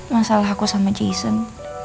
masalah aku sama jason